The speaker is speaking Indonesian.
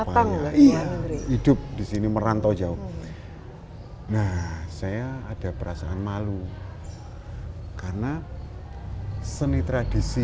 apa iya hidup disini merantau jauh nah saya ada perasaan malu karena seni tradisi